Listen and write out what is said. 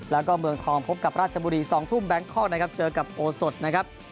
แล้วก็เมืองทองพบกับราชบุรี๒ทุ่มแบงคอกนะครับเจอกับโอสดนะครับ